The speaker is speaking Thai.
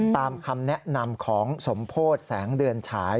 ตามคำแนะนำของสมโพธิแสงเดือนฉาย